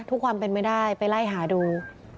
ความเป็นไม่ได้ไปไล่หาดู